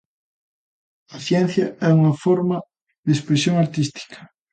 A ciencia é unha forma de expresión artística.